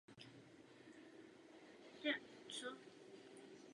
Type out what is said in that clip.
Název La Plata znamená ve španělštině stříbro a odkazuje na naleziště stříbra v okolí.